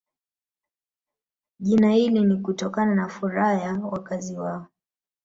Jina hili ni kutokana na furaha ya wazazi wao